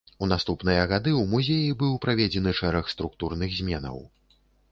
У наступныя гады ў музеі быў праведзены шэраг структурных зменаў.